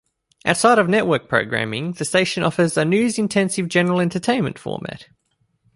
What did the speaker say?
Outside of network programming, the station offers a news-intensive general entertainment format.